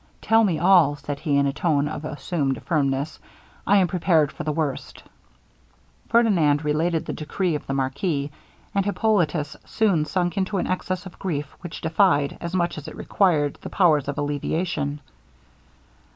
'Tell me all,' said he, in a tone of assumed firmness. 'I am prepared for the worst.' Ferdinand related the decree of the marquis, and Hippolitus soon sunk into an excess of grief which defied, as much as it required, the powers of alleviation.